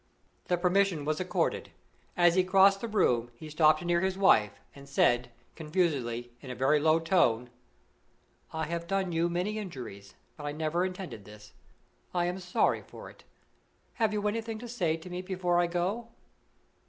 The permission was accorded. As he crossed the room he stopped near his wife, and said, confusedly, in a very low tone: "I have done you many injuries, but I never intended this. I am sorry for it. Have you anything to say to me before I go?"